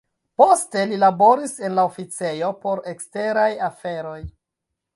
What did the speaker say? Poste li laboris en la oficejo por eksteraj aferoj.